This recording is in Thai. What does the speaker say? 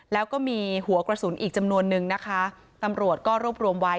แล้วก็มีหัวกระสุนอีกจำนวนนึงนะคะตำรวจก็รวบรวมไว้